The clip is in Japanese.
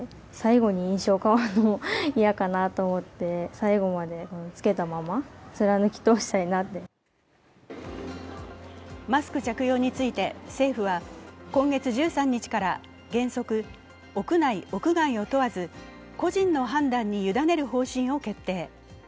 一方、マスクを着けて卒業式に出た生徒はマスク着用について、政府は今月１３日から原則、屋内・屋外を問わず個人の判断に委ねる方針を決定。